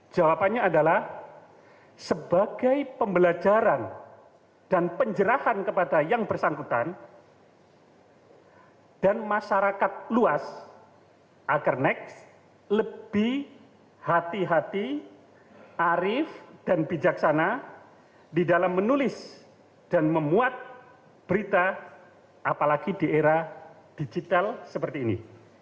jawabannya adalah sebagai pembelajaran dan penjerahan kepada yang bersangkutan dan masyarakat luas agar next lebih hati hati arif dan bijaksana di dalam menulis dan memuat berita apalagi di era digital seperti ini